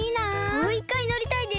もういっかいのりたいです！